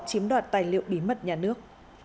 chiếm đoạt tài liệu bí mật nhà nước